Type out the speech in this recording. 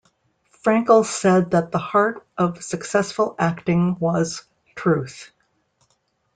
Frankel said that the heart of successful acting was, Truth.